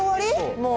もう。